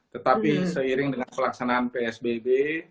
tetapi seiring dengan pelaksanaan psbb